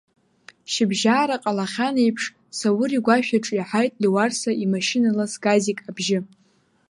Шьыбжьаара ҟалахьан еиԥш, Заур игәашә аҿы иаҳаит Леуарса имашьыналас Газик абжьы.